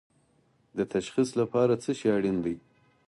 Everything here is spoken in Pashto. د تشخیص لپاره څه شی اړین دي؟